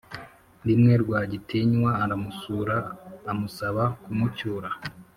Rimwe rwagitinywa aramusura amusaba kumucyura